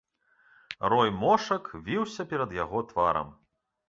Рой мошак віўся перад яго тварам.